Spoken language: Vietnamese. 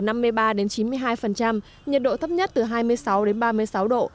nhiệt độ thấp nhất từ hai mươi sáu đến ba mươi sáu độ